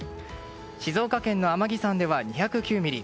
静岡県の天城山では２０９ミリ